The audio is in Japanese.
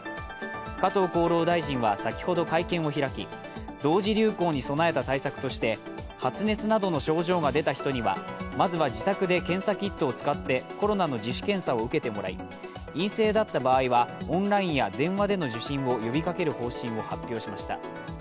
加藤厚労大臣は先ほど会見を開き同時流行に備えた対策として、発熱などの症状が出た人にはまずは自宅で検査キットを使ってコロナの自主検査を受けてもらい陰性だった場合はオンラインや電話での受診を呼びかける方針を発表しました。